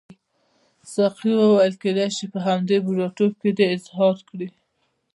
ساقي وویل کیدای شي په همدې بوډاتوب کې دې احضار کړي.